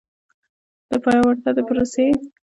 د پیاوړتیا د پروسې د پیل لپاره باید څه وشي.